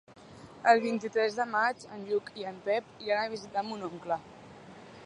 El vint-i-tres de maig en Lluc i en Pep iran a visitar mon oncle.